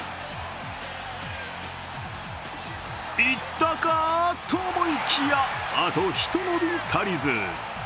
いったか！と思いきやあとひと伸び足りず。